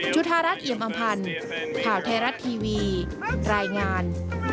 จุธารัฐเอียมอำพันธ์ข่าวไทยรัฐทีวีรายงาน